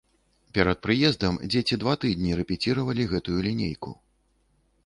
Перад прыездам дзеці два тыдні рэпеціравалі гэтую лінейку.